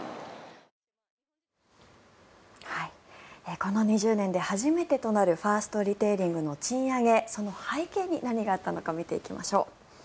この２０年で初めてとなるファーストリテイリングの賃上げその背景に何があったのか見ていきましょう。